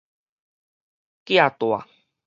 寄蹛